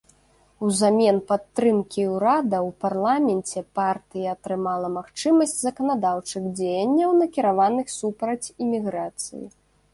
Узамен падтрымкі ўрада ў парламенце, партыя атрымала магчымасць заканадаўчых дзеянняў накіраваных супраць іміграцыі.